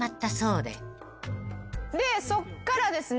でそっからですね